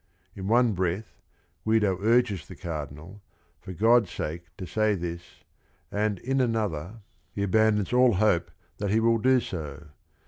In one breath, Guido urges the Cardinal, for God's sake to say this, and in another he abandons all hope that he will do so.